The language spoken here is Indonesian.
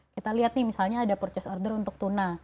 kita lihat nih misalnya ada purchase order untuk tuna